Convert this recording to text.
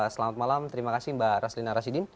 selamat malam terima kasih mbak raslina rasidin